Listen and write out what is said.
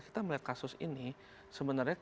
kita melihat kasus ini sebenarnya